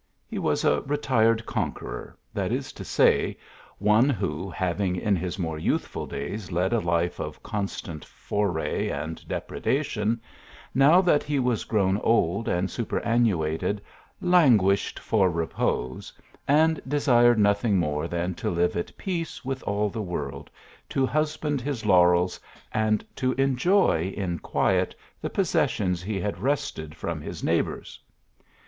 He was a retired conqueror, that is to say, one who, having in his more youthful days led a life of constant foray and depredation, now that he was grown old and super annuated, "languished for repose," and desired nothing more than to live at peace with all tho world, to husband his laurels, and to enjoy in quiet the possessions he had wrested from his neighbours.